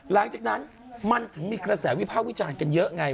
หลังจากนั้นมันถึงมีกระแสวิภาควิจารณ์กันเยอะไง